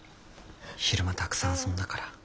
昼間たくさん遊んだから。